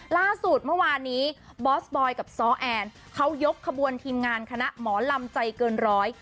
ล่าสุดเมื่อวานนี้บอสบอยกับซ้อแอนเขายกขบวนทีมงานคณะหมอลำใจเกินร้อย